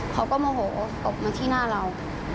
เขาก็โมโหตบมาที่หน้าเรา